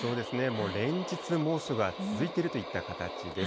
もう連日猛暑が続いているといった形です。